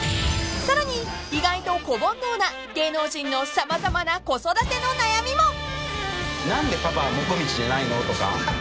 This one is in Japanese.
［さらに意外と子煩悩な芸能人の様々な子育ての悩みも］